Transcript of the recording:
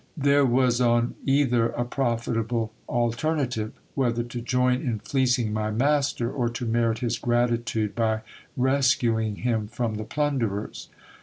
There was on either a profitable alternative ; whether to join in fleecing my master, or to merit his gratitude by rescuing him from the plunderers.